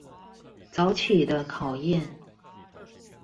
早起的考驗